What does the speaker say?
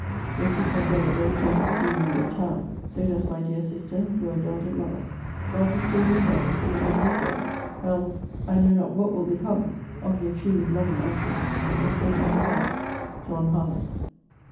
Your sister and brother both talk of seeing you in town; so does my dear sister, your indulgent mother. God restore your health, if it be his will; else, I know not what will become of Your truly loving uncle, and second papa, JOHN HARLOWE.